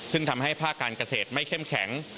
ซึ่งทำให้ภาคการเกษตรไม่เข้มแข็ง